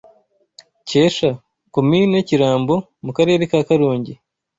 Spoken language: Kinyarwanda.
Cyesha (Komini Kirambo) mu Karere ka Karongi